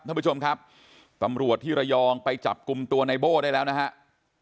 ท่านผู้ชมครับตำรวจที่ระยองไปจับกลุ่มตัวในโบ้ได้แล้วนะครับ